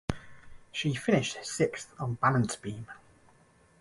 She finished sixth on balance beam.